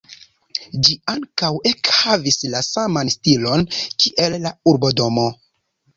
Ĝi ankaŭ ekhavis la saman stilon kiel la urbodomo.